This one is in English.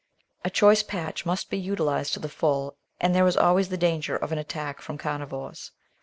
A choice patch must be utilised to the full, and there is always the danger of an attack from carnivores.